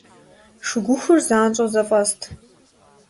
Шыгухур занщӀэу зэфӀэст.